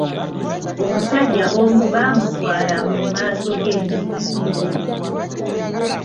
Omusajja omu bamutwala mu maaso g'enzigi bbiri.